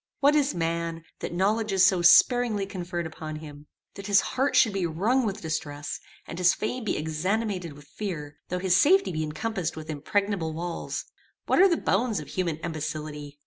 What is man, that knowledge is so sparingly conferred upon him! that his heart should be wrung with distress, and his frame be exanimated with fear, though his safety be encompassed with impregnable walls! What are the bounds of human imbecility!